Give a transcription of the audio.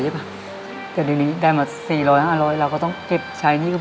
ไม่มีจังเลือดติดตัวสักบาทนะครับ